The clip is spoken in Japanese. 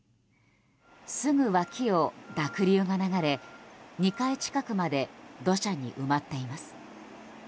すぐ脇を濁流が流れ２階近くまで土砂に埋まっています。